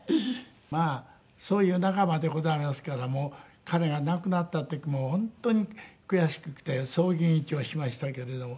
まあそういう仲間でございますから彼が亡くなった時もう本当に悔しくて葬儀委員長しましたけれども。